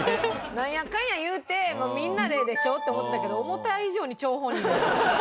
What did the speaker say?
なんやかんや言うてみんなででしょ？って思うてたけど思うた以上に張本人やった。